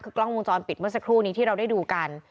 คือกล้องวงจรปิดเมื่อสักครู่นี้ที่เราได้ดูกัน